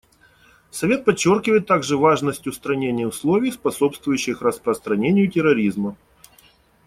Совет подчеркивает также важность устранения условий, способствующих распространению терроризма.